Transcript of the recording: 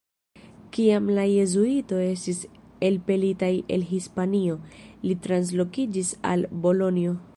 Kiam la jezuitoj estis elpelitaj el Hispanio, li translokiĝis al Bolonjo.